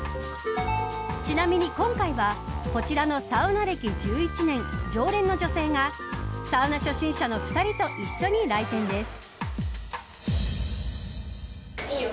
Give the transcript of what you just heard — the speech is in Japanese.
ちなみに、今回はこちらのサウナ歴１１年常連の女性がサウナ初心者の２人と一緒に来店です。